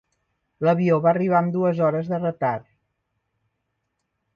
L'avió va arribar amb dues hores de retard.